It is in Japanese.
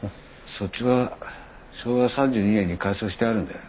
そっちは昭和３２年に改装してあるんだよ。